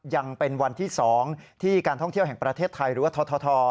ยังเป็นวันที่๒ที่การท่องเที่ยวแห่งประเทศไทยหรือว่าทท